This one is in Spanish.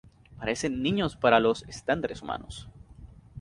Parecen niños para los estándares humanos.